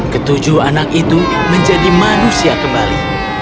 ketujuh anak itu menjadi manusia kembali